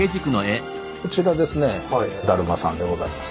こちらですね達磨さんでございます。